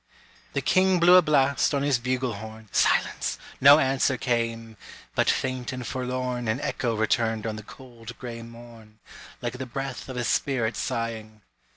The king blew a blast on his bugle horn; No answer came; but faint and forlorn An echo returned on the cold gray morn, Like the breath of a spirit sighing.